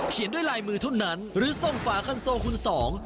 ด้วยลายมือเท่านั้นหรือส่งฝาคันโซคุณสอง